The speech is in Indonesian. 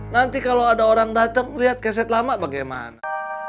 nanti kalau ada orang datang lihat keset lama bagaimana